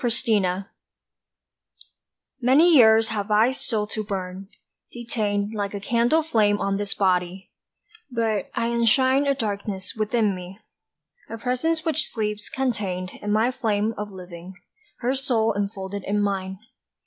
DISSOLUTE MANY years have I still to burn, detained Like a candle flame on this body; but I enshrine A darkness within me, a presence which sleeps contained In my flame of living, her soul enfolded in mine.